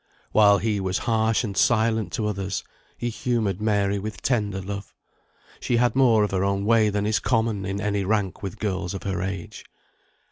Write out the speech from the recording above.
While he was harsh and silent to others, he humoured Mary with tender love; she had more of her own way than is common in any rank with girls of her age.